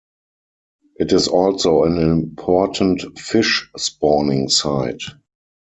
It is also an important fish spawning site.